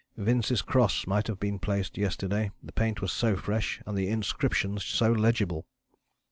Vince's cross might have been placed yesterday the paint was so fresh and the inscription so legible."